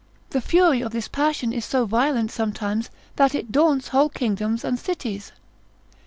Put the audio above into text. The fury of this passion is so violent sometimes, that it daunts whole kingdoms and cities.